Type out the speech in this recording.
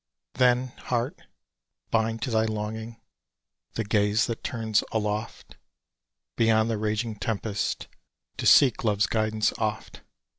Then, heart, bind to thy longing The gaze that turns aloft Beyond the raging tempest To seek love's guidance oft.